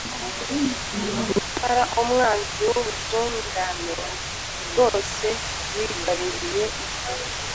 Nyamara umwanzi w’ubutungne bwose yigaruriye isi